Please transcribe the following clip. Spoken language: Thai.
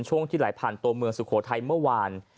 ช่วงที่ไหลผ่านตัวเมืองสุโขทัยเมื่อวาน